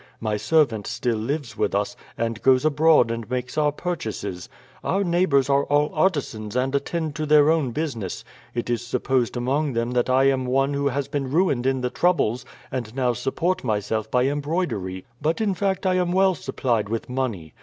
My servant still lives with us, and goes abroad and makes our purchases. Our neighbours are all artisans and attend to their own business. It is supposed among them that I am one who has been ruined in the troubles, and now support myself by embroidery; but in fact I am well supplied with money.